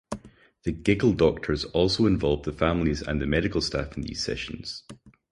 The Giggle Doctors also involve the families and the medical staff in these sessions.